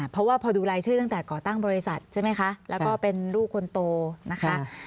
เพราะว่าพอดูรายชื่อตั้งแต่ก่อตั้งบริษัทใช่ไหมคะแล้วก็เป็นลูกคนโตนะคะ